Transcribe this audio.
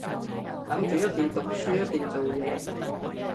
諗住一邊讀書一邊做嘢